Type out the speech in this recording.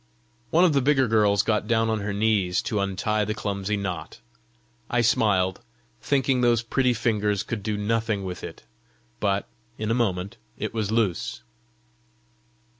One of the bigger girls got down on her knees to untie the clumsy knot. I smiled, thinking those pretty fingers could do nothing with it, but in a moment it was loose.